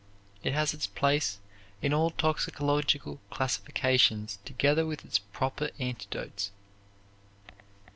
It has its place in all toxicological classifications together with its proper antidotes.